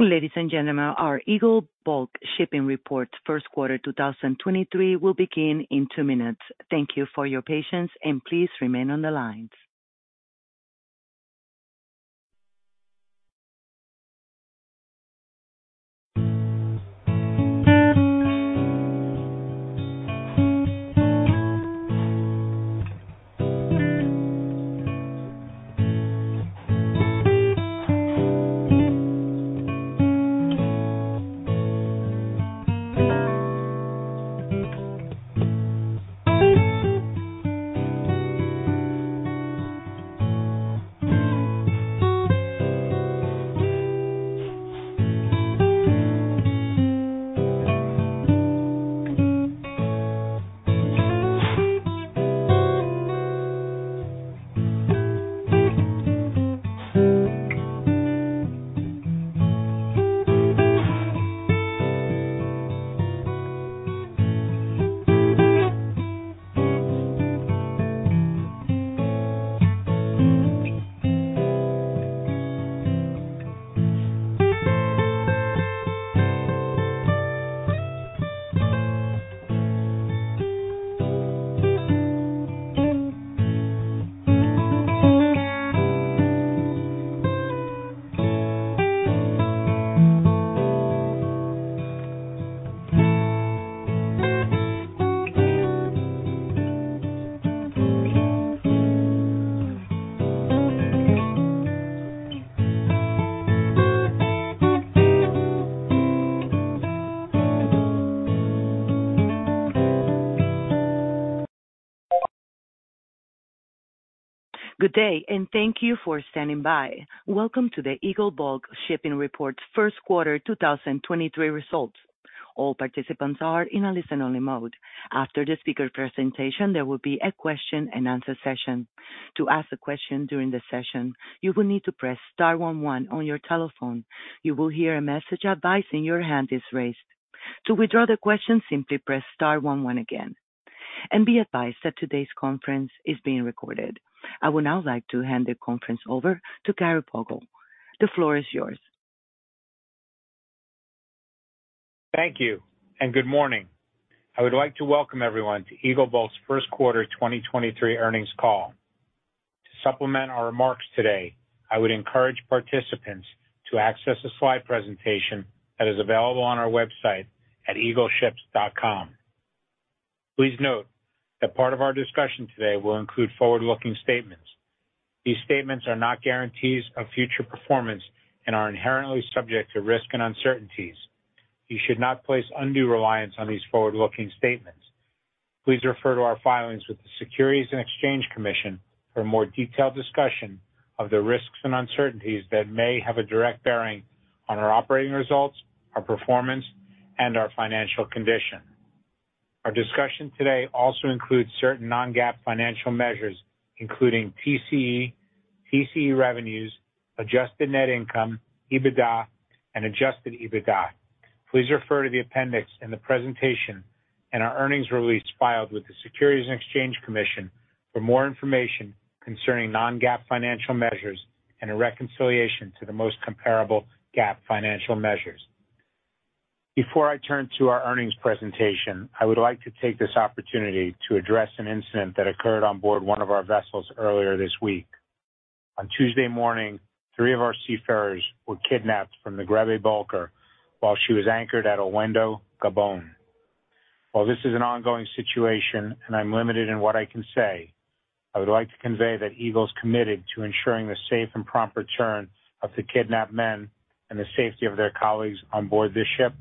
Ladies and gentlemen, our Eagle Bulk Shipping Report first quarter 2023 will begin in two minutes. Thank you for your patience. Please remain on the line. Good day. Thank you for standing by. Welcome to the Eagle Bulk Shipping Report first quarter 2023 results. All participants are in a listen-only mode. After the speaker presentation, there will be a question-and-answer session. To ask a question during the session, you will need to press star one one on your telephone. You will hear a message advising your hand is raised. To withdraw the question, simply press star one one again. Be advised that today's conference is being recorded. I would now like to hand the conference over to Gary Vogel. The floor is yours. Thank you and good morning. I would like to welcome everyone to Eagle Bulk's first quarter 2023 earnings call. To supplement our remarks today, I would encourage participants to access a slide presentation that is available on our website at eagleships.com. Please note that part of our discussion today will include forward-looking statements. These statements are not guarantees of future performance and are inherently subject to risks and uncertainties. You should not place undue reliance on these forward-looking statements. Please refer to our filings with the Securities and Exchange Commission for a more detailed discussion of the risks and uncertainties that may have a direct bearing on our operating results, our performance, and our financial condition. Our discussion today also includes certain non-GAAP financial measures, including TCE revenues, adjusted net income, EBITDA, and adjusted EBITDA. Please refer to the appendix in the presentation and our earnings release filed with the Securities and Exchange Commission for more information concerning non-GAAP financial measures and a reconciliation to the most comparable GAAP financial measures. Before I turn to our earnings presentation, I would like to take this opportunity to address an incident that occurred on board one of our vessels earlier this week. On Tuesday morning, three of our seafarers were kidnapped from the Grebe Bulker while she was anchored at Owendo, Gabon. While this is an ongoing situation and I'm limited in what I can say, I would like to convey that Eagle's committed to ensuring the safe and prompt return of the kidnapped men and the safety of their colleagues on board this ship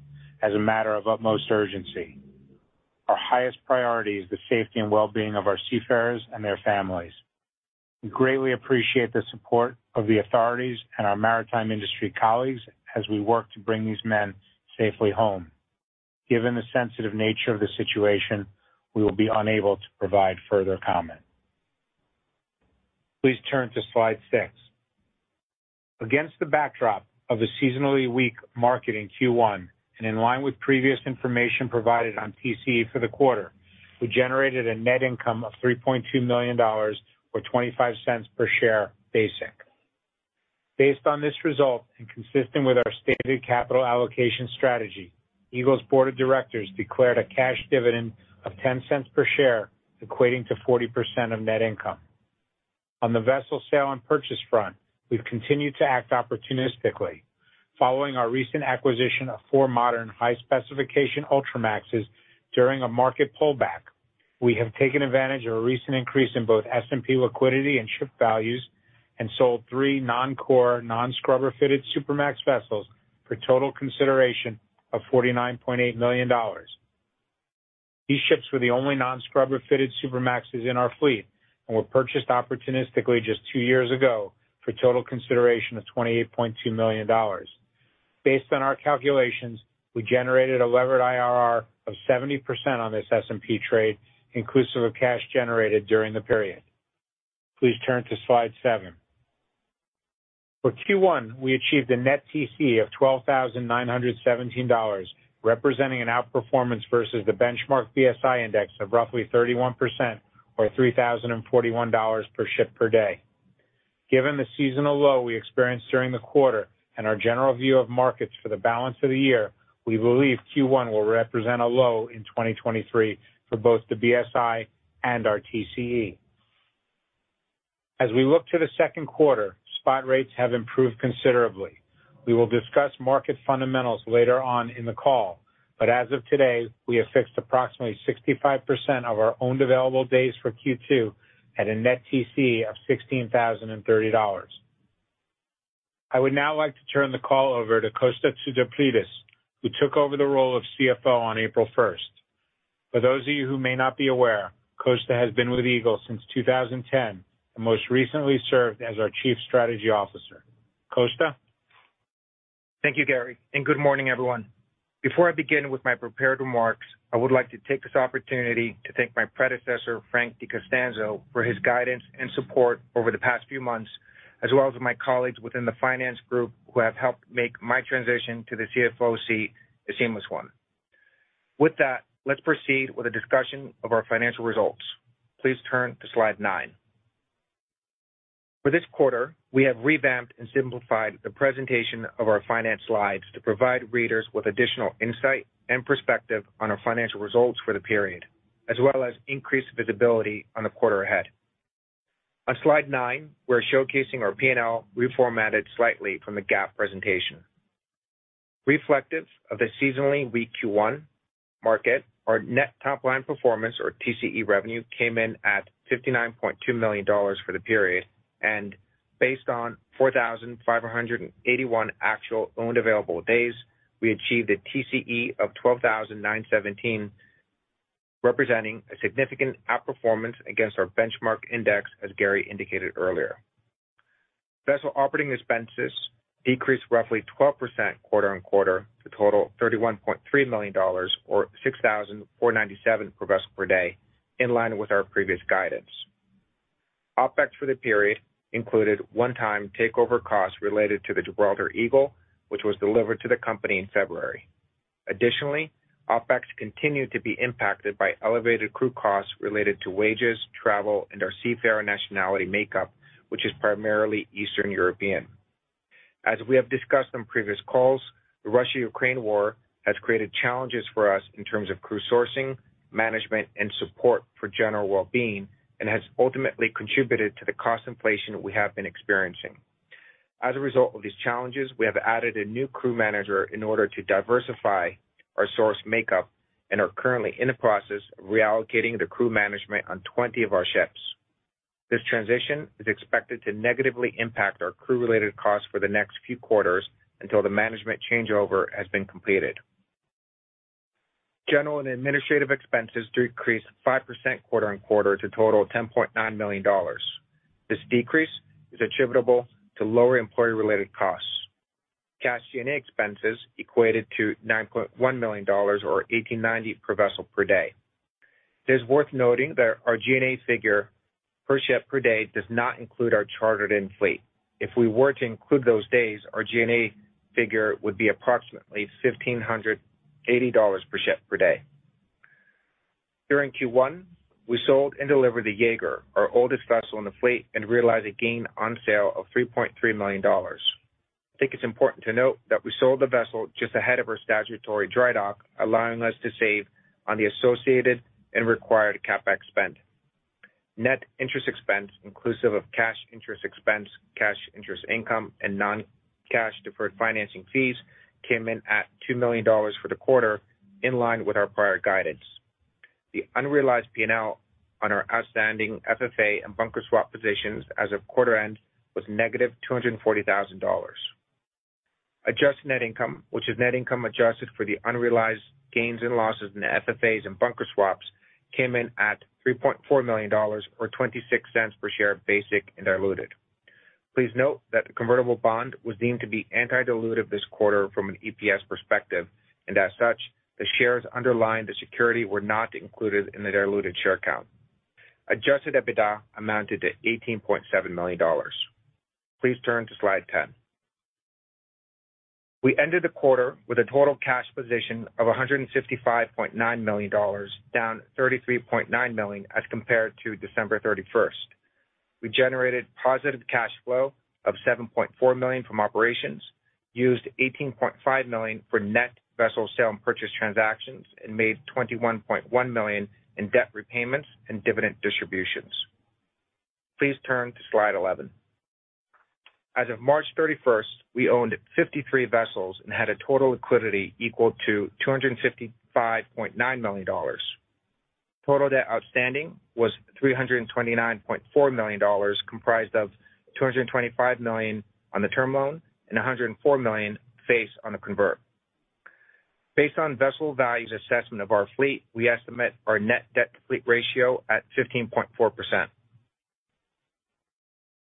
as a matter of utmost urgency. Our highest priority is the safety and well-being of our seafarers and their families. We greatly appreciate the support of the authorities and our maritime industry colleagues as we work to bring these men safely home. Given the sensitive nature of the situation, we will be unable to provide further comment. Please turn to slide six. Against the backdrop of a seasonally weak market in Q1 and in line with previous information provided on TCE for the quarter, we generated a net income of $3.2 million or $0.25 per share basic. Based on this result and consistent with our stated capital allocation strategy, Eagle's board of directors declared a cash dividend of $0.10 per share, equating to 40% of net income. On the vessel sale and purchase front, we've continued to act opportunistically. Following our recent acquisition of four modern high-specification Ultramaxes during a market pullback, we have taken advantage of a recent increase in both S&P liquidity and ship values and sold three non-core, non-scrubber fitted Supramax vessels for total consideration of $49.8 million. These ships were the only non-scrubber fitted Supramaxes in our fleet and were purchased opportunistically just two years ago for total consideration of $28.2 million. Based on our calculations, we generated a levered IRR of 70% on this S&P trade, inclusive of cash generated during the period. Please turn to slide seven. For Q1, we achieved a net TC of $12,917, representing an outperformance versus the benchmark BSI index of roughly 31% or $3,041 per ship per day. Given the seasonal low we experienced during the quarter and our general view of markets for the balance of the year, we believe Q1 will represent a low in 2023 for both the BSI and our TCE. We look to the second quarter, spot rates have improved considerably. We will discuss market fundamentals later on in the call, as of today, we have fixed approximately 65% of our owned available days for Q2 at a net TCE of $16,030. I would now like to turn the call over to Costa Tsoutsoplides, who took over the role of CFO on April 1st. For those of you who may not be aware, Kosta has been with Eagle since 2010 and most recently served as our Chief Strategy Officer. Kosta. Thank you, Gary, and good morning, everyone. Before I begin with my prepared remarks, I would like to take this opportunity to thank my predecessor, Frank De Costanzo, for his guidance and support over the past few months, as well as my colleagues within the finance group who have helped make my transition to the CFO seat a seamless one. With that, let's proceed with a discussion of our financial results. Please turn to slide nine. For this quarter, we have revamped and simplified the presentation of our finance slides to provide readers with additional insight and perspective on our financial results for the period, as well as increased visibility on the quarter ahead. On slide nine, we're showcasing our P&L reformatted slightly from the GAAP presentation. Reflective of the seasonally weak Q1 market, our net top-line performance or TCE revenue came in at $59.2 million for the period. Based on 4,581 actual owned available days, we achieved a TCE of 12,917, representing a significant outperformance against our benchmark index, as Gary indicated earlier. Vessel operating expenses decreased roughly 12% quarter-on-quarter to total $31.3 million or 6,497 per vessel per day, in line with our previous guidance. OpEx for the period included one-time takeover costs related to the Gibraltar Eagle, which was delivered to the company in February. Additionally, OpEx continued to be impacted by elevated crew costs related to wages, travel, and our seafarer nationality makeup, which is primarily Eastern European. As we have discussed on previous calls, the Russia-Ukraine war has created challenges for us in terms of crew sourcing, management, and support for general well-being and has ultimately contributed to the cost inflation we have been experiencing. As a result of these challenges, we have added a new crew manager in order to diversify our source makeup and are currently in the process of reallocating the crew management on 20 of our ships. This transition is expected to negatively impact our crew-related costs for the next few quarters until the management changeover has been completed. General and administrative expenses decreased 5% quarter-on-quarter to total $10.9 million. This decrease is attributable to lower employee-related costs. Cash G&A expenses equated to $9.1 million or $1,890 per vessel per day. It is worth noting that our G&A figure per ship per day does not include our chartered-in fleet. If we were to include those days, our G&A figure would be approximately $1,580 per ship per day. During Q1, we sold and delivered the Jaeger, our oldest vessel in the fleet, and realized a gain on sale of $3.3 million. I think it's important to note that we sold the vessel just ahead of her statutory dry dock, allowing us to save on the associated and required CapEx spend. Net interest expense inclusive of cash interest expense, cash interest income, and non-cash deferred financing fees came in at $2 million for the quarter in line with our prior guidance. The unrealized P&L on our outstanding FFA and bunker swap positions as of quarter end was negative $240,000. Adjusted net income, which is net income adjusted for the unrealized gains and losses in the FFAs and bunker swaps, came in at $3.4 million or $0.26 per share basic and diluted. Please note that the convertible bond was deemed to be anti-dilutive this quarter from an EPS perspective, and as such, the shares underlying the security were not included in the diluted share count. Adjusted EBITDA amounted to $18.7 million. Please turn to slide 10. We ended the quarter with a total cash position of $155.9 million, down $33.9 million as compared to December 31st. We generated positive cash flow of $7.4 million from operations, used $18.5 million for net vessel sale and purchase transactions, and made $21.1 million in debt repayments and dividend distributions. Please turn to slide 11. As of March 31st, we owned 53 vessels and had a total liquidity equal to $255.9 million. Total debt outstanding was $329.4 million, comprised of $225 million on the term loan and $104 million face on the convert. Based on vessel values assessment of our fleet, we estimate our net debt to fleet ratio at 15.4%.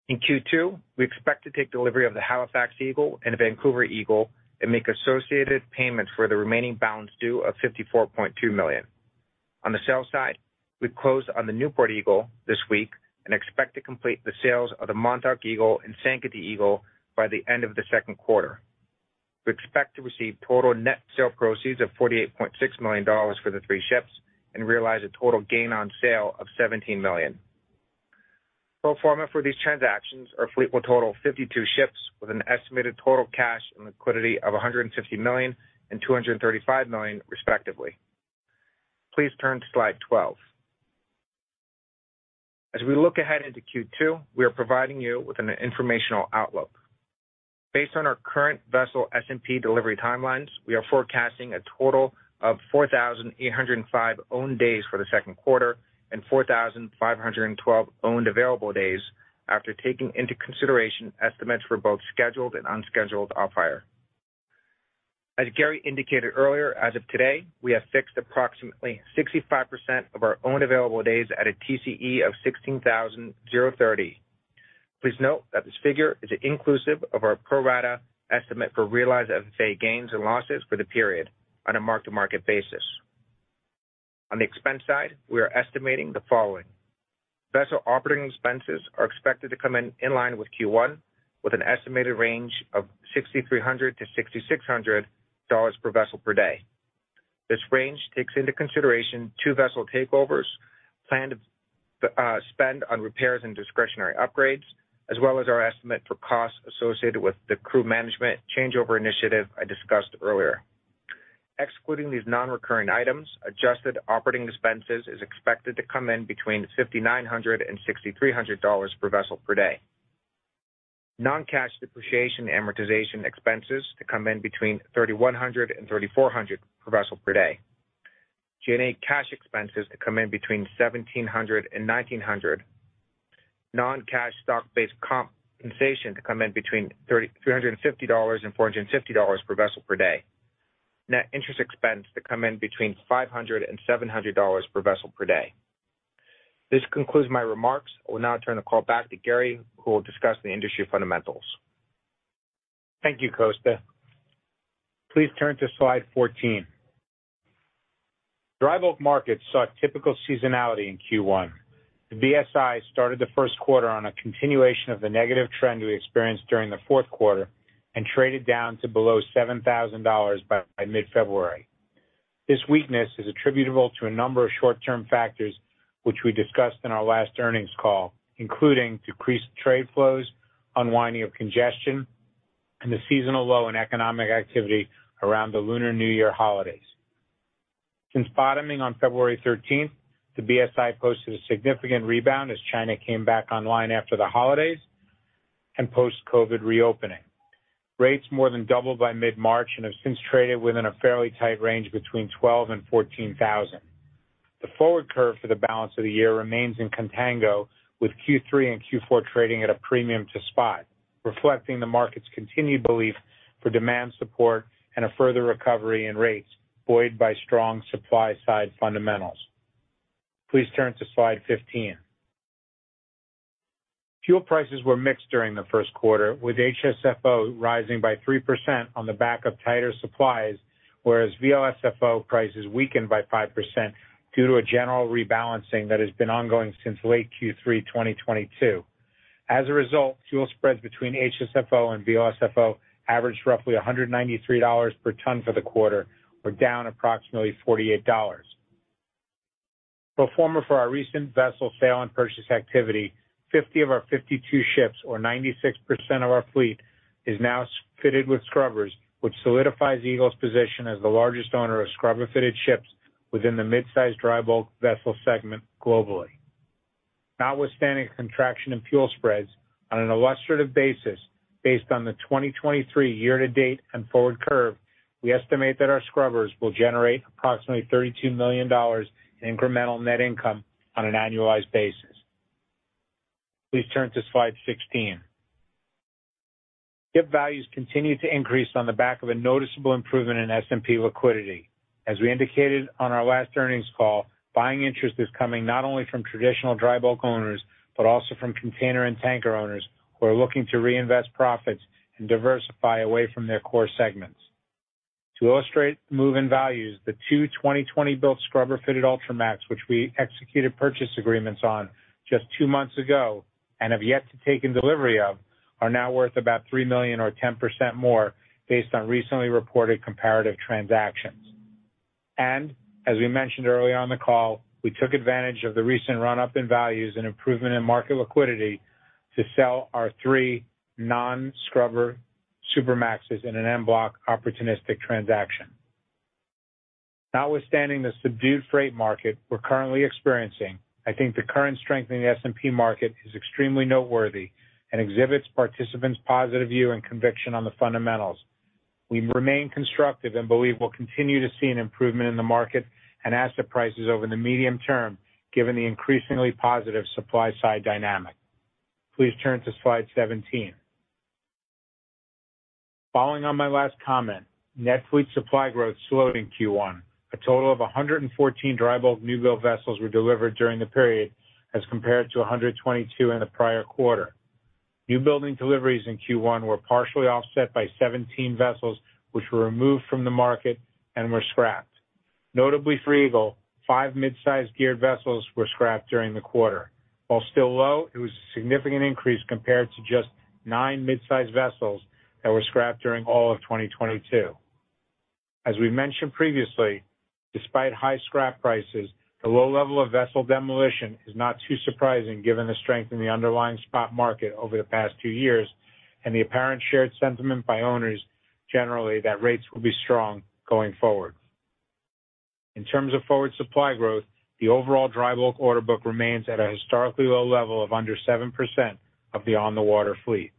In Q2, we expect to take delivery of the Halifax Eagle and the Vancouver Eagle and make associated payments for the remaining balance due of $54.2 million. On the sales side, we've closed on the Newport Eagle this week and expect to complete the sales of the Montauk Eagle and Sankaty Eagle by the end of the second quarter. We expect to receive total net sale proceeds of $48.6 million for the 3 ships and realize a total gain on sale of $17 million. Pro forma for these transactions, our fleet will total 52 ships with an estimated total cash and liquidity of $150 million and $235 million, respectively. Please turn to slide 12. As we look ahead into Q2, we are providing you with an informational outlook. Based on our current vessel S&P delivery timelines, we are forecasting a total of 4,805 owned days for the second quarter and 4,512 owned available days after taking into consideration estimates for both scheduled and unscheduled off-hire. As Gary indicated earlier, as of today, we have fixed approximately 65% of our own available days at a TCE of $16,030. Please note that this figure is inclusive of our pro rata estimate for realized FFA gains and losses for the period on a mark-to-market basis. On the expense side, we are estimating the following. Vessel operating expenses are expected to come in in line with Q1, with an estimated range of $6,300-$6,600 per vessel per day. This range takes into consideration two vessel takeovers, planned spend on repairs and discretionary upgrades, as well as our estimate for costs associated with the crew management changeover initiative I discussed earlier. Excluding these non-recurring items, adjusted operating expenses is expected to come in between $5,900 and $6,300 per vessel per day. Non-cash depreciation amortization expenses to come in between $3,100 and $3,400 per vessel per day. G&A cash expenses to come in between $1,700 and $1,900. Non-cash stock-based compensation to come in between $3,350 and $450 per vessel per day. Net interest expense to come in between $500 and $700 per vessel per day. This concludes my remarks. I will now turn the call back to Gary, who will discuss the industry fundamentals. Thank you, Costa. Please turn to slide 14. Dry bulk markets saw typical seasonality in Q1. The BSI started the first quarter on a continuation of the negative trend we experienced during the fourth quarter traded down to below $7,000 by mid-February. This weakness is attributable to a number of short-term factors which we discussed in our last earnings call, including decreased trade flows, unwinding of congestion, and the seasonal low in economic activity around the Lunar New Year holidays. Since bottoming on February 13th, the BSI posted a significant rebound as China came back online after the holidays and post-COVID reopening. Rates more than doubled by mid-March and have since traded within a fairly tight range between $12,000 and $14,000. The forward curve for the balance of the year remains in contango, with Q3 and Q4 trading at a premium to spot, reflecting the market's continued belief for demand support and a further recovery in rates buoyed by strong supply-side fundamentals. Please turn to slide 15. Fuel prices were mixed during the first quarter, with HSFO rising by 3% on the back of tighter supplies, whereas VLSFO prices weakened by 5% due to a general rebalancing that has been ongoing since late Q3 2022. As a result, fuel spreads between HSFO and VLSFO averaged roughly $193 per ton for the quarter or down approximately $48. Pro forma for our recent vessel sale and purchase activity, 50 of our 52 ships or 96% of our fleet is now fitted with scrubbers, which solidifies Eagle's position as the largest owner of scrubber-fitted ships within the mid-sized dry bulk vessel segment globally. Notwithstanding contraction in fuel spreads, on an illustrative basis, based on the 2023 year to date and forward curve, we estimate that our scrubbers will generate approximately $32 million in incremental net income on an annualized basis. Please turn to slide 16. Ship values continued to increase on the back of a noticeable improvement in S&P liquidity. As we indicated on our last earnings call, buying interest is coming not only from traditional dry bulk owners, but also from container and tanker owners who are looking to reinvest profits and diversify away from their core segments. To illustrate the move in values, the two 2020-built scrubber-fitted Ultramax, which we executed purchase agreements on just two months ago and have yet to take in delivery of, are now worth about $3 million or 10% more based on recently reported comparative transactions. As we mentioned earlier on the call, we took advantage of the recent run-up in values and improvement in market liquidity to sell our three non-scrubber Supramaxes in an en bloc opportunistic transaction. Notwithstanding the subdued freight market we're currently experiencing, I think the current strength in the S&P market is extremely noteworthy and exhibits participants' positive view and conviction on the fundamentals. We remain constructive and believe we'll continue to see an improvement in the market and asset prices over the medium term, given the increasingly positive supply-side dynamic. Please turn to slide 17. Following on my last comment, net fleet supply growth slowed in Q1. A total of 114 dry bulk new-build vessels were delivered during the period as compared to 122 in the prior quarter. New building deliveries in Q1 were partially offset by 17 vessels which were removed from the market and were scrapped. For Eagle, five midsize geared vessels were scrapped during the quarter. While still low, it was a significant increase compared to just nine mid-size vessels that were scrapped during all of 2022. As we mentioned previously, despite high scrap prices, the low level of vessel demolition is not too surprising given the strength in the underlying spot market over the past two years and the apparent shared sentiment by owners generally that rates will be strong going forward. In terms of forward supply growth, the overall dry bulk order book remains at a historically low level of under 7% of the on-the-water fleet.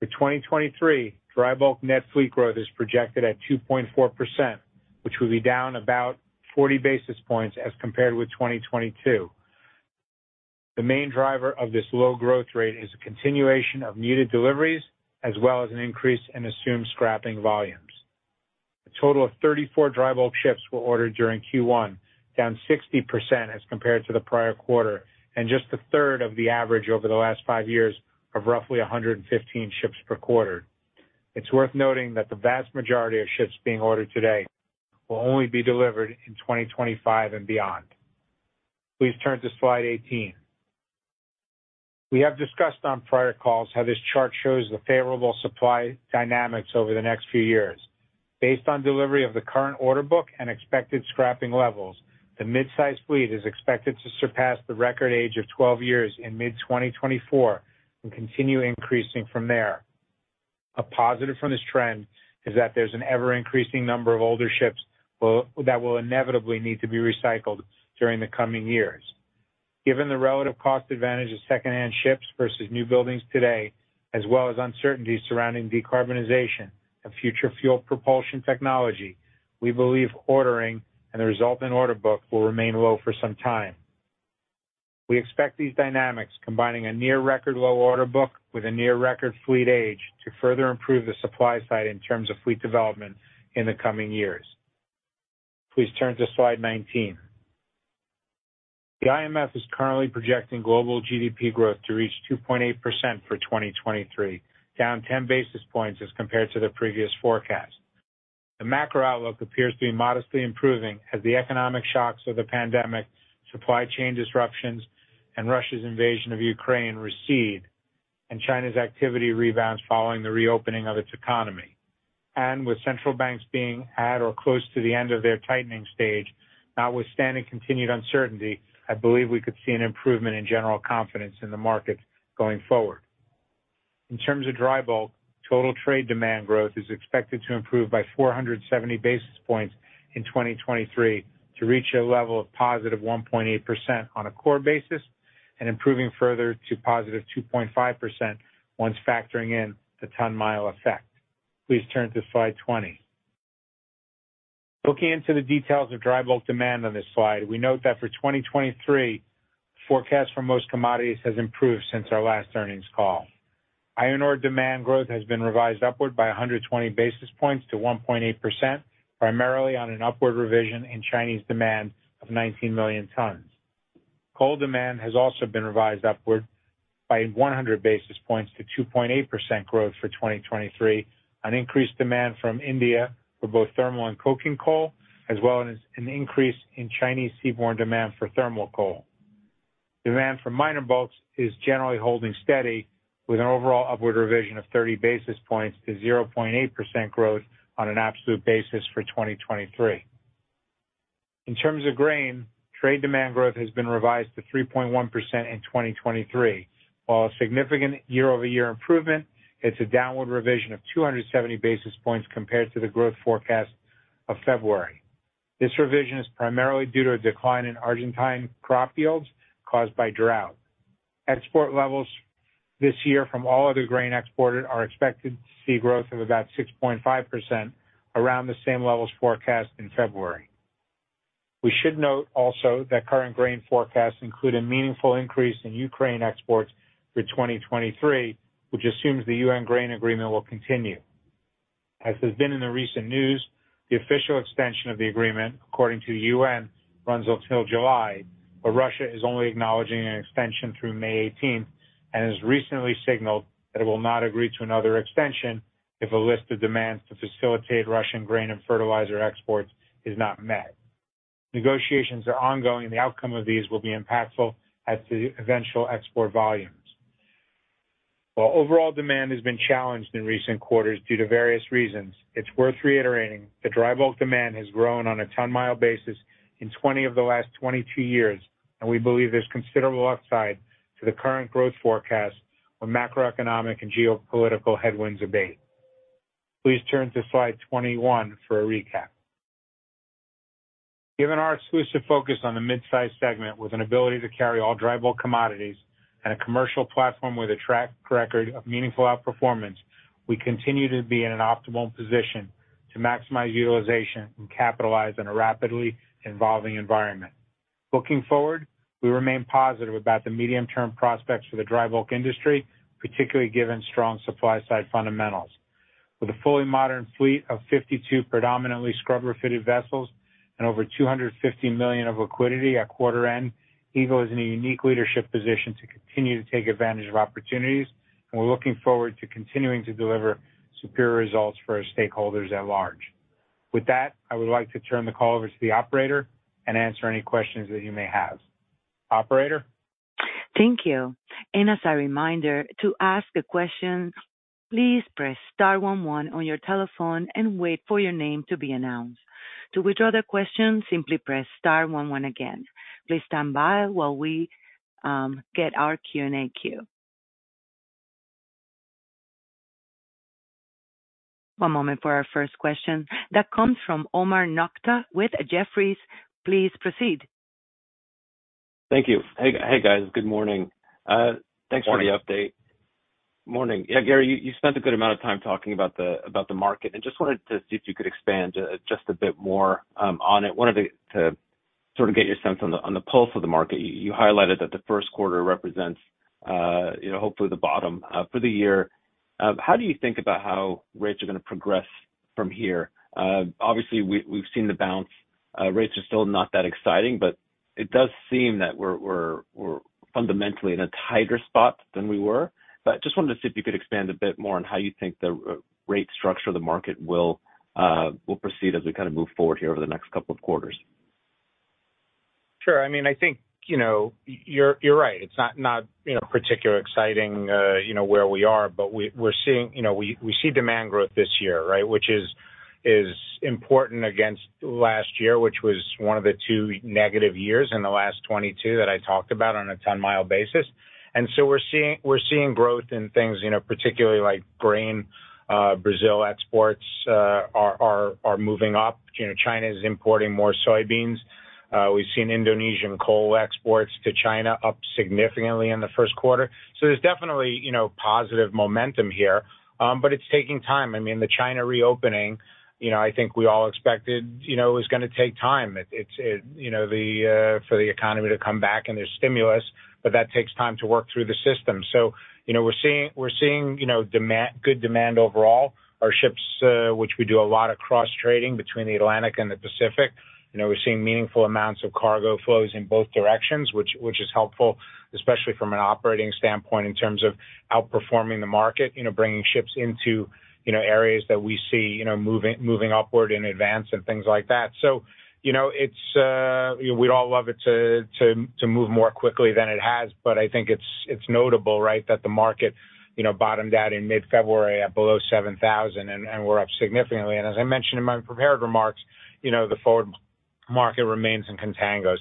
For 2023, dry bulk net fleet growth is projected at 2.4%, which will be down about 40 basis points as compared with 2022. The main driver of this low growth rate is a continuation of muted deliveries as well as an increase in assumed scrapping volumes. A total of 34 dry bulk ships were ordered during Q1, down 60% as compared to the prior quarter and just 1/3 of the average over the last five years of roughly 115 ships per quarter. It's worth noting that the vast majority of ships being ordered today will only be delivered in 2025 and beyond. Please turn to slide 18. We have discussed on prior calls how this chart shows the favorable supply dynamics over the next few years. Based on delivery of the current order book and expected scrapping levels, the mid-size fleet is expected to surpass the record age of 12 years in mid-2024 and continue increasing from there. A positive from this trend is that there's an ever-increasing number of older ships that will inevitably need to be recycled during the coming years. Given the relative cost advantage of secondhand ships versus new buildings today, as well as uncertainties surrounding decarbonization and future fuel propulsion technology, we believe ordering and the resulting order book will remain low for some time. We expect these dynamics, combining a near-record low order book with a near-record fleet age, to further improve the supply side in terms of fleet development in the coming years. Please turn to slide 19. The IMF is currently projecting global GDP growth to reach 2.8% for 2023, down 10 basis points as compared to their previous forecast. The macro outlook appears to be modestly improving as the economic shocks of the pandemic, supply chain disruptions, and Russia's invasion of Ukraine recede, and China's activity rebounds following the reopening of its economy. With central banks being at or close to the end of their tightening stage, notwithstanding continued uncertainty, I believe we could see an improvement in general confidence in the market going forward. In terms of dry bulk, total trade demand growth is expected to improve by 470 basis points in 2023 to reach a level of positive 1.8% on a core basis and improving further to positive 2.5% once factoring in the ton-mile effect. Please turn to slide 20. Looking into the details of dry bulk demand on this slide, we note that for 2023, forecast for most commodities has improved since our last earnings call. Iron ore demand growth has been revised upward by 120 basis points to 1.8%, primarily on an upward revision in Chinese demand of 19 million tons. Coal demand has also been revised upward by 100 basis points to 2.8% growth for 2023 on increased demand from India for both thermal and coking coal, as well as an increase in Chinese seaborne demand for thermal coal. Demand for minor bulks is generally holding steady with an overall upward revision of 30 basis points to 0.8% growth on an absolute basis for 2023. In terms of grain, trade demand growth has been revised to 3.1% in 2023. While a significant year-over-year improvement, it's a downward revision of 270 basis points compared to the growth forecast of February. This revision is primarily due to a decline in Argentine crop yields caused by drought. Export levels this year from all other grain exported are expected to see growth of about 6.5% around the same levels forecast in February. We should note also that current grain forecasts include a meaningful increase in Ukraine exports for 2023, which assumes the UN grain agreement will continue. As has been in the recent news, the official extension of the agreement, according to the UN, runs until July, but Russia is only acknowledging an extension through May 18th and has recently signaled that it will not agree to another extension if a list of demands to facilitate Russian grain and fertilizer exports is not met. Negotiations are ongoing, and the outcome of these will be impactful as to eventual export volumes. While overall demand has been challenged in recent quarters due to various reasons, it's worth reiterating that dry bulk demand has grown on a ton-mile basis in 20 of the last 22 years, and we believe there's considerable upside to the current growth forecast when macroeconomic and geopolitical headwinds abate. Please turn to slide 21 for a recap. Given our exclusive focus on the mid-size segment with an ability to carry all dry bulk commodities and a commercial platform with a track record of meaningful outperformance, we continue to be in an optimal position to maximize utilization and capitalize on a rapidly evolving environment. Looking forward, we remain positive about the medium-term prospects for the dry bulk industry, particularly given strong supply side fundamentals. With a fully modern fleet of 52 predominantly scrubber-fitted vessels. Over $250 million of liquidity at quarter end. Eagle is in a unique leadership position to continue to take advantage of opportunities, and we're looking forward to continuing to deliver superior results for our stakeholders at large. With that, I would like to turn the call over to the operator and answer any questions that you may have. Operator? Thank you. As a reminder, to ask a question, please press star 11 on your telephone and wait for your name to be announced. To withdraw the question, simply press star 11 again. Please stand by while we get our Q&A queue. One moment for our first question. That comes from Omar Nokta with Jefferies. Please proceed. Thank you. Hey guys, good morning. Thanks for the update. Morning. Morning. Gary, you spent a good amount of time talking about the market. Just wanted to see if you could expand just a bit more on it. Wanted to sort of get your sense on the pulse of the market. You highlighted that the first quarter represents, you know, hopefully the bottom for the year. How do you think about how rates are gonna progress from here? Obviously we've seen the bounce. Rates are still not that exciting, it does seem that we're fundamentally in a tighter spot than we were. Just wanted to see if you could expand a bit more on how you think the rate structure of the market will proceed as we kind of move forward here over the next couple of quarters. Sure. I mean, I think, you know, you're right. It's not, you know, particularly exciting, you know, where we are. We're seeing. You know, we see demand growth this year, right? Which is important against last year, which was one of the two negative years in the last 22 that I talked about on a ton-mile basis. We're seeing growth in things, you know, particularly like grain. Brazil exports are moving up. You know, China is importing more soybeans. We've seen Indonesian coal exports to China up significantly in the first quarter. There's definitely, you know, positive momentum here, but it's taking time. I mean, the China reopening, you know, I think we all expected, you know, it was gonna take time. It's, you know, the, for the economy to come back and there's stimulus, but that takes time to work through the system. You know, we're seeing, you know, demand, good demand overall. Our ships, which we do a lot of cross-trading between the Atlantic and the Pacific. You know, we're seeing meaningful amounts of cargo flows in both directions, which is helpful, especially from an operating standpoint in terms of outperforming the market, you know, bringing ships into, you know, areas that we see, you know, moving upward in advance and things like that. You know, it's. We'd all love it to move more quickly than it has, but I think it's notable, right, that the market, you know, bottomed out in mid-February at below 7,000 and we're up significantly. As I mentioned in my prepared remarks, you know, the forward market remains in contango.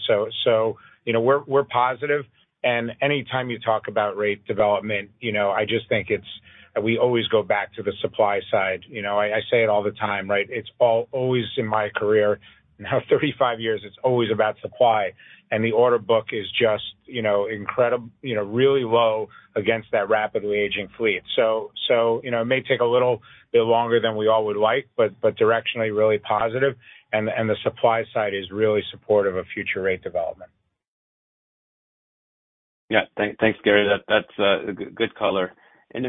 You know, we're positive. Any time you talk about rate development, you know, I just think it's. We always go back to the supply side, you know. I say it all the time, right? It's always in my career, now 35 years, it's always about supply. The order book is just, you know, really low against that rapidly aging fleet. You know, it may take a little bit longer than we all would like, but directionally really positive and the supply side is really supportive of future rate development. Yeah. Thanks Gary. That's a good color. Then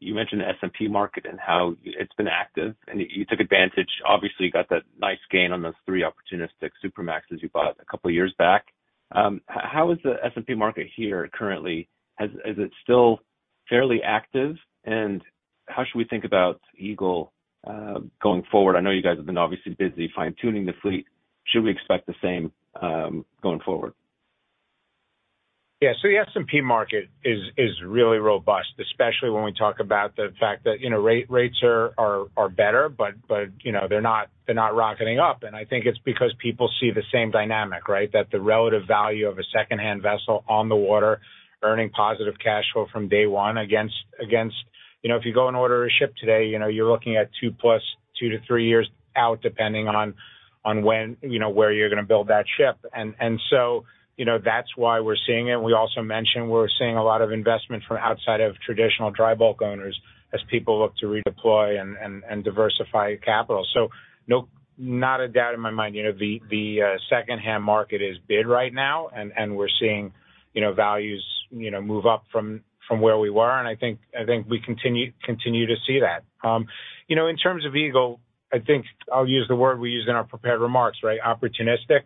you mentioned the S&P market and how it's been active and you took advantage. Obviously you got that nice gain on those three opportunistic Supramaxes you bought a couple years back. How is the S&P market here currently? Is it still fairly active and how should we think about Eagle going forward? I know you guys have been obviously busy fine-tuning the fleet. Should we expect the same going forward? Yeah. The S&P market is really robust, especially when we talk about the fact that, you know, rates are better, but, you know, they're not rocketing up. I think it's because people see the same dynamic, right? That the relative value of a secondhand vessel on the water earning positive cash flow from day one against... You know, if you go and order a ship today, you know, you're looking at 2 years-3 years out, depending on when, you know, where you're gonna build that ship. You know, that's why we're seeing it. We also mentioned we're seeing a lot of investment from outside of traditional dry bulk owners as people look to redeploy and diversify capital. No, not a doubt in my mind. You know, the secondhand market is bid right now and we're seeing, you know, values, you know, move up from where we were, and I think we continue to see that. You know, in terms of Eagle, I think I'll use the word we used in our prepared remarks, right? Opportunistic.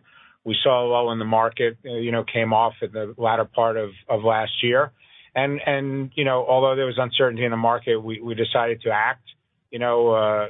We saw low in the market, you know, came off at the latter part of last year. You know, although there was uncertainty in the market, we decided to act, you know,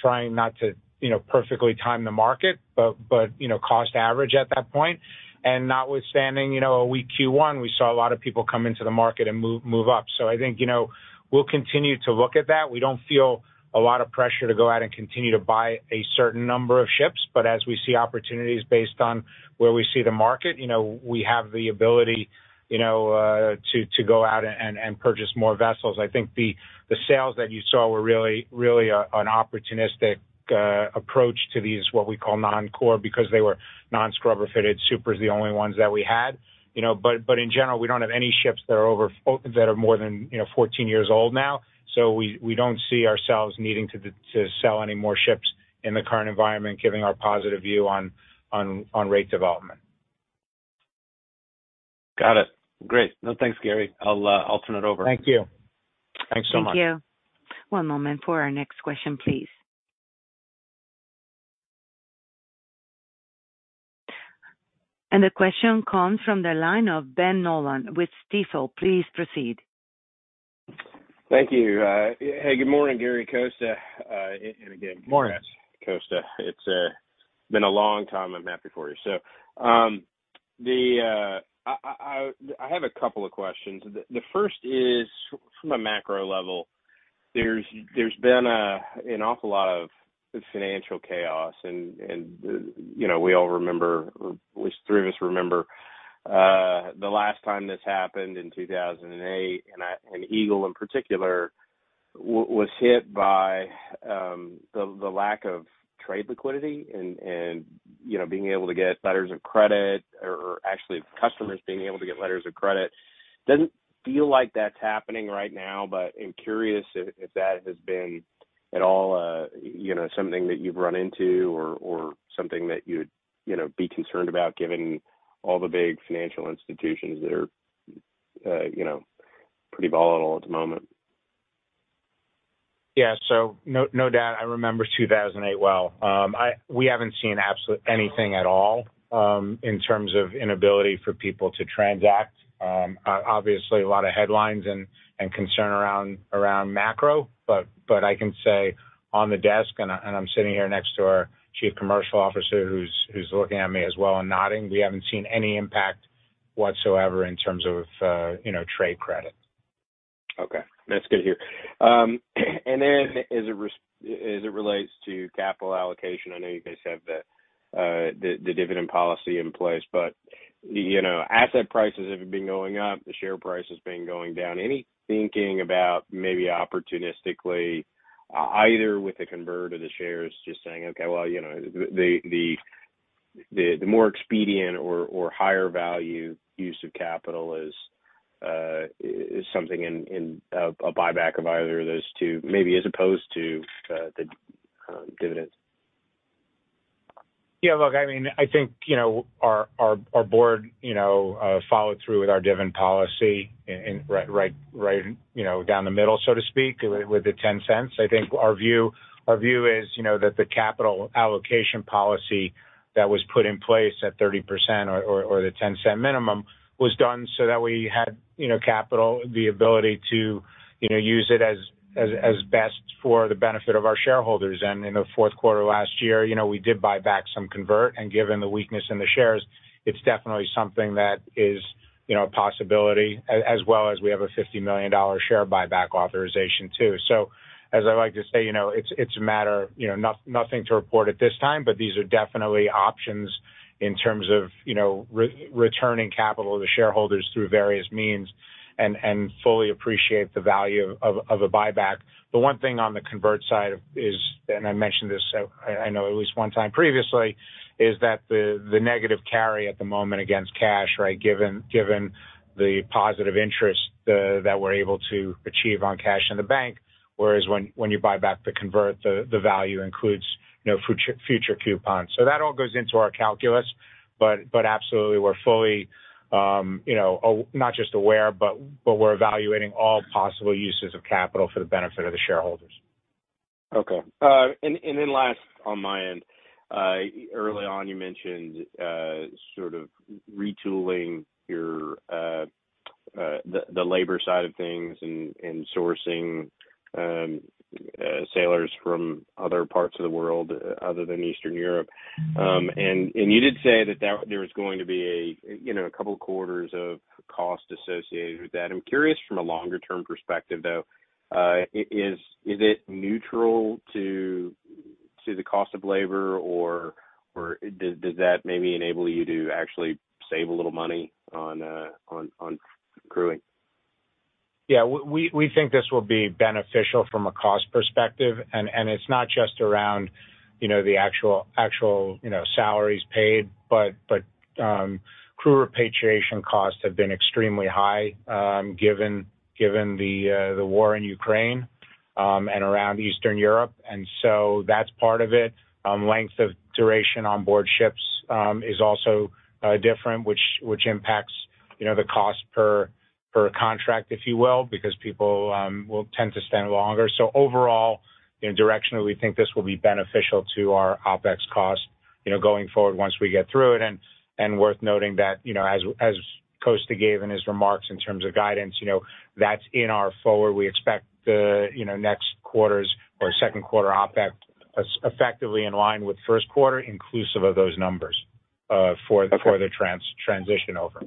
trying not to, you know, perfectly time the market, but, you know, cost average at that point. Notwithstanding, you know, a weak Q1, we saw a lot of people come into the market and move up. I think, you know, we'll continue to look at that. We don't feel a lot of pressure to go out and continue to buy a certain number of ships. As we see opportunities based on where we see the market, you know, we have the ability, you know, to go out and purchase more vessels. I think the sales that you saw were really an opportunistic approach to these, what we call non-core because they were non-scrubber fitted. Super's the only ones that we had. You know, in general, we don't have any ships that are more than, you know, 14 years old now. We don't see ourselves needing to sell any more ships in the current environment, given our positive view on rate development. Got it. Great. No, thanks, Gary. I'll turn it over. Thank you. Thanks so much. Thank you. One moment for our next question, please. The question comes from the line of Ben Nolan with Stifel. Please proceed. Thank you. Hey, good morning, Gary, Costa. Morning. Costa. It's been a long time. I'm happy for you. I have a couple of questions. The first is from a macro level. There's been an awful lot of financial chaos and, you know, we all remember, or at least three of us remember, the last time this happened in 2008. Eagle in particular was hit by the lack of trade liquidity and, you know, being able to get letters of credit or actually customers being able to get letters of credit. Doesn't feel like that's happening right now. I'm curious if that has been at all, you know, something that you've run into or something that you'd, you know, be concerned about given all the big financial institutions that are, you know, pretty volatile at the moment. Yeah. No, no doubt. I remember 2008 well. We haven't seen absolute anything at all in terms of inability for people to transact. Obviously a lot of headlines and concern around macro, but I can say on the desk, and I'm sitting here next to our Chief Commercial Officer who's looking at me as well and nodding, we haven't seen any impact whatsoever in terms of you know, trade credit. Okay. That's good to hear. As it relates to capital allocation, I know you guys have the dividend policy in place, but, you know, asset prices have been going up, the share price has been going down. Any thinking about maybe opportunistically, either with the convert or the shares, just saying, okay, well, you know, the more expedient or higher value use of capital is something in a buyback of either of those two, maybe as opposed to the dividends? Yeah, look, I mean, I think, you know, our board, you know, followed through with our dividend policy right, you know, down the middle, so to speak, with the $0.10. I think our view is, you know, that the capital allocation policy that was put in place at 30% or the $0.10 minimum was done so that we had, you know, capital, the ability to, you know, use it as best for the benefit of our shareholders. In the fourth quarter last year, you know, we did buy back some convert. Given the weakness in the shares, it's definitely something that is, you know, a possibility as well as we have a $50 million share buyback authorization too. As I like to say, you know, it's a matter, you know, nothing to report at this time, but these are definitely options in terms of, you know, returning capital to shareholders through various means and fully appreciate the value of a buyback. The one thing on the convert side of is, and I mentioned this, I know at least one time previously, is that the negative carry at the moment against cash, right, given the positive interest that we're able to achieve on cash in the bank, whereas when you buy back the convert, the value includes, you know, future coupons. That all goes into our calculus. Absolutely, we're fully, you know, not just aware, but we're evaluating all possible uses of capital for the benefit of the shareholders. Okay. Then last on my end, early on you mentioned sort of retooling your the labor side of things and sourcing sailors from other parts of the world other than Eastern Europe. Mm-hmm. You did say that there was going to be a, you know, a couple quarters of cost associated with that. I'm curious from a longer term perspective, though, is it neutral to the cost of labor or does that maybe enable you to actually save a little money on crewing? We think this will be beneficial from a cost perspective. It's not just around, you know, the actual, you know, salaries paid, but crew repatriation costs have been extremely high, given the war in Ukraine and around Eastern Europe. That's part of it. Length of duration on board ships is also different, which impacts, you know, the cost per contract, if you will, because people will tend to spend longer. Overall, you know, directionally, we think this will be beneficial to our OpEx cost, you know, going forward once we get through it. Worth noting that, you know, as Costa gave in his remarks in terms of guidance, you know, that's in our forward. We expect the, you know, next quarter's or second quarter OpEx effectively in line with first quarter inclusive of those numbers. Okay. The transition over.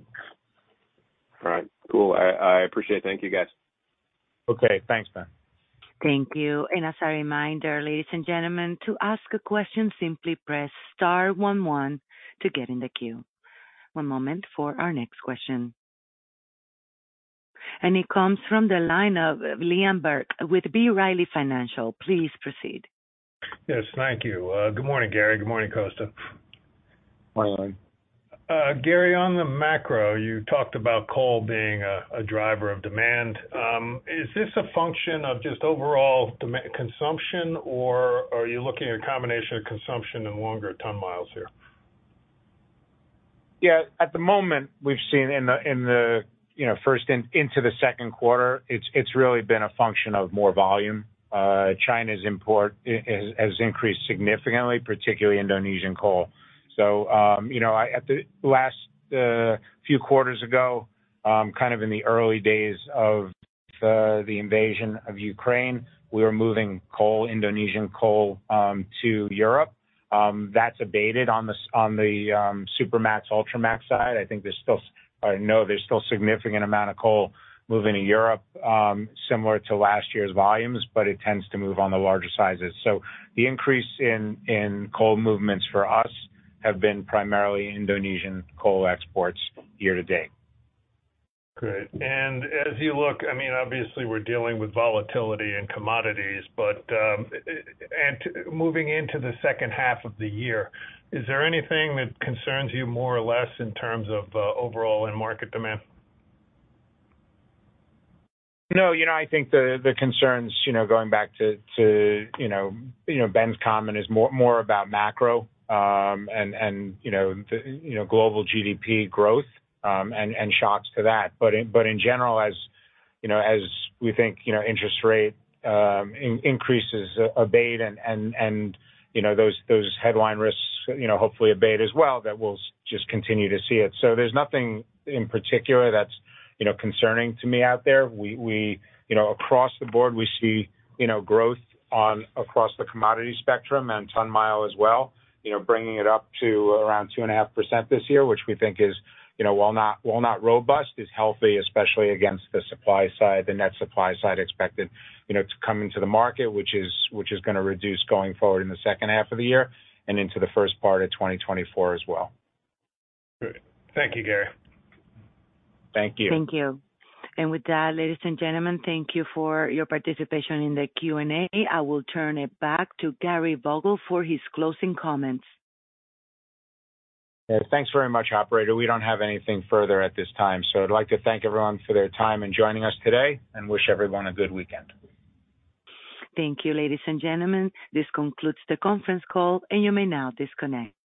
All right. Cool. I appreciate it. Thank you, guys. Okay. Thanks, Ben. Thank you. As a reminder, ladies and gentlemen, to ask a question, simply press star one one to get in the queue. One moment for our next question. It comes from the line of Liam Burke with B. Riley Securities. Please proceed. Yes, thank you. Good morning, Gary. Good morning, Costa. Morning. Gary, on the macro, you talked about coal being a driver of demand. Is this a function of just overall consumption, or are you looking at a combination of consumption and longer ton miles here? At the moment, we've seen in the, you know, first in, into the second quarter, it's really been a function of more volume. China's import has increased significantly, particularly Indonesian coal. You know, at the last few quarters ago, kind of in the early days of the invasion of Ukraine, we were moving coal, Indonesian coal to Europe. That's abated on the on the Supramax, Ultramax side. I think there's still. Or no, there's still significant amount of coal moving to Europe, similar to last year's volumes, but it tends to move on the larger sizes. The increase in coal movements for us have been primarily Indonesian coal exports year-to-date. Great. As you look, I mean, obviously we're dealing with volatility in commodities, but, and moving into the second half of the year, is there anything that concerns you more or less in terms of overall end market demand? No, you know, I think the concerns, you know, going back to, you know, Ben's comment is more about macro, and, you know, the, you know, global GDP growth, and shocks to that. In general, as, you know, as we think, you know, interest rate increases abate and, you know, those headline risks, you know, hopefully abate as well, that we'll just continue to see it. There's nothing in particular that's, you know, concerning to me out there. We, you know, across the board, we see, you know, growth on across the commodity spectrum and ton-mile as well, you know, bringing it up to around 2.5% this year, which we think is, you know, while not, while not robust, is healthy, especially against the supply side, the net supply side expected, you know, to come into the market, which is gonna reduce going forward in the second half of the year and into the first part of 2024 as well. Great. Thank you, Gary. Thank you. Thank you. With that, ladies and gentlemen, thank you for your participation in the Q&A. I will turn it back to Gary Vogel for his closing comments. Thanks very much, operator. We don't have anything further at this time. I'd like to thank everyone for their time in joining us today and wish everyone a good weekend. Thank you, ladies and gentlemen. This concludes the conference call, and you may now disconnect.